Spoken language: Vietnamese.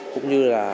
cũng như là